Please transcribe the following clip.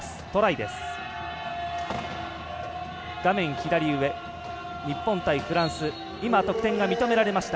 左上、日本対フランス得点が認められました。